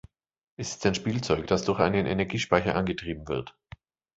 Es ist ein Spielzeug, das durch einen Energiespeicher angetrieben wird.